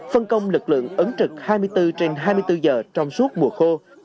phân công lực lượng ứng trực hai mươi bốn trên hai mươi bốn giờ trong suốt mùa khô